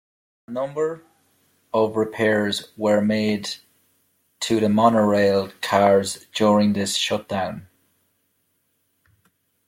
A number of repairs were made to the monorail cars during this shutdown.